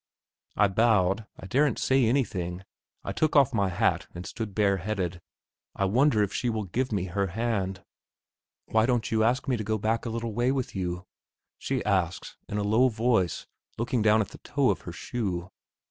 I bowed; I daren't say anything; I took off my hat and stood bareheaded. I wonder if she will give me her hand. "Why don't you ask me to go back a little way with you?" she asks, in a low voice, looking down at the toe of her shoe.